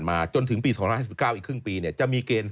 อาจารย์เขาไม่รู้